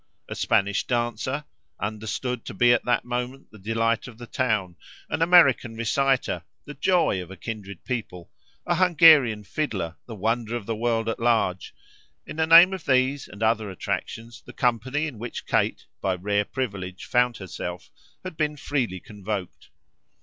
A Spanish dancer, understood to be at that moment the delight of the town, an American reciter, the joy of a kindred people, an Hungarian fiddler, the wonder of the world at large in the name of these and other attractions the company in which Kate, by a rare privilege, found herself had been freely convoked.